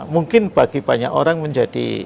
mungkin bagi banyak orang menjadi